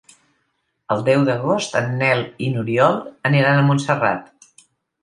El deu d'agost en Nel i n'Oriol aniran a Montserrat.